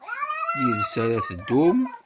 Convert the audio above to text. Yid-s ara ad teddum?